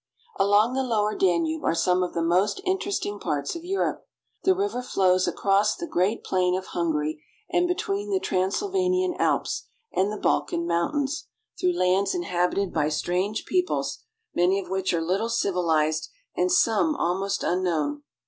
ALONG the lower Danube are some of the most inter esting parts of Europe. The river flows across the great plain of Hungary, and between the Transylvanian Alps, and the Balkan Mountains, through lands inhabited by strange peoples, many of which are little civilized and some almost unknown.